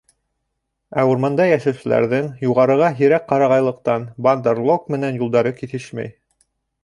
Ә урманда йәшәүселәрҙең, юғарыға һирәк ҡарағайлыҡтан, Бандар-лог менән юлдары киҫешмәй.